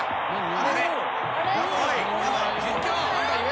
あれ？